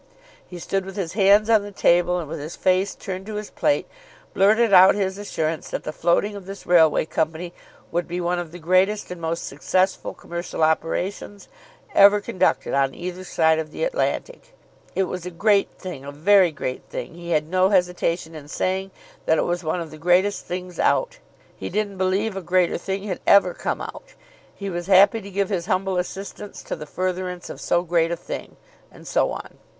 He stood with his hands on the table and with his face turned to his plate blurted out his assurance that the floating of this railway company would be one of the greatest and most successful commercial operations ever conducted on either side of the Atlantic. It was a great thing, a very great thing; he had no hesitation in saying that it was one of the greatest things out. He didn't believe a greater thing had ever come out. He was happy to give his humble assistance to the furtherance of so great a thing, and so on.